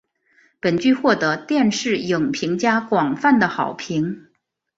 本剧获得电视影评家广泛的好评。